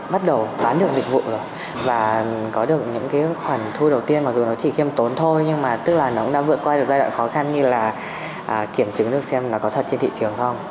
bắt đầu bán được dịch vụ rồi và có được những khoản thu đầu tiên mặc dù nó chỉ khiêm tốn thôi nhưng mà tức là nó cũng đã vượt qua được giai đoạn khó khăn như là kiểm chứng được xem nó có thật trên thị trường không